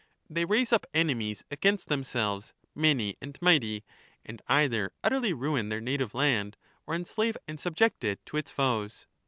they raise up enemies against themselves many and mighty, and either utterly ruin their native land or enslave and subject it to its foes